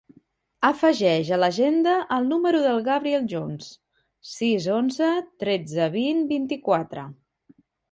Afegeix a l'agenda el número del Gabriel Jones: sis, onze, tretze, vint, vint-i-quatre.